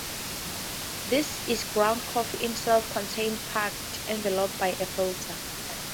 This is ground coffee in a self-contained packet, enveloped by a filter.